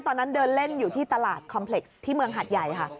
ตอนนั้นเดินเล่นอยู่ที่ตลาดคอมเพล็กซ์ที่เมืองหัดใหญ่ค่ะ